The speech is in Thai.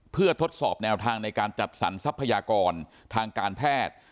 เพื่อทดสอบแนวทางในการจัดสรรทรัพยากรทางการแพทย์